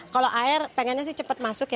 kalau air pengennya sih cepat masuk ya